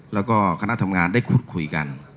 แล้วก็คณะทำงานได้พูดคุยกัน